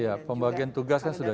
ya pembagian tugas kan sudah